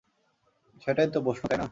সেটাইতো প্রশ্ন, তাই না?